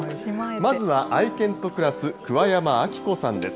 まずは愛犬と暮らす桑山亜希子さんです。